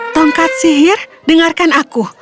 tongkat sihir dengarkan aku